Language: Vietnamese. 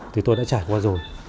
thì tôi đã trải qua rồi